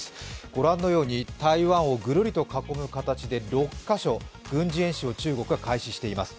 御覧のように台湾をぐるりと囲む形で６カ所、軍事演習を中国が行っています。